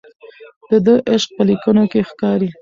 د ده عشق په لیکنو کې ښکاري.